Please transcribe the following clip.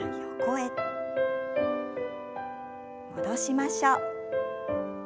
戻しましょう。